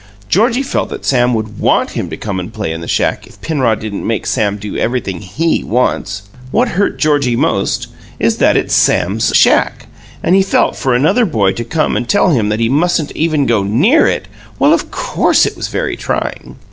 Georgie felt that Sam would WANT him to come and play in the shack if Penrod didn't make Sam do everything HE wants. What hurt Georgie most is that it's SAM'S shack, and he felt for another boy to come and tell him that he mustn't even go NEAR it well, of course, it was very trying.